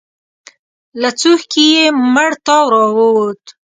له څوښکي يې مړ تاو راووت.